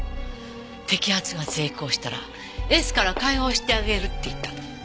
摘発が成功したらエスから解放してあげるって言ったの。